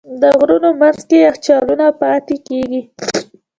د غرونو منځ کې یخچالونه پاتې کېږي.